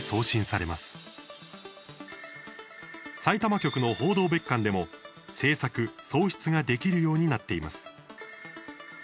さいたま局の報道別館でも制作、送出ができるようになっています。